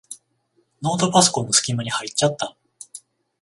ノートパソコンのすき間に入っちゃった。